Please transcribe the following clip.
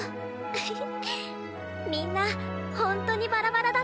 フフフッみんなほんとにバラバラだね。